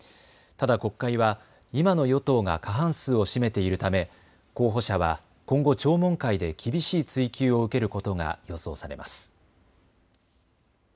ただ国会は今の与党が過半数を占めているため候補者は今後、聴聞会で厳しい追及を受けることが予想されます。